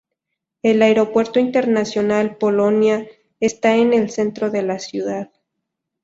El aeropuerto internacional Polonia está en el centro de la ciudad.